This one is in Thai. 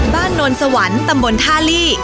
บ้านโน้นสวรรค์ตำบลทาลี